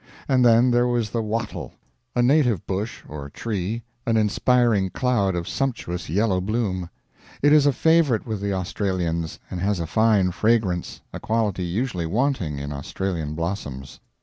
And then there was the wattle, a native bush or tree, an inspiring cloud of sumptuous yellow bloom. It is a favorite with the Australians, and has a fine fragrance, a quality usually wanting in Australian blossoms.